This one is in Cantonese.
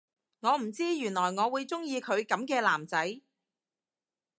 我唔知原來我會鍾意佢噉嘅男仔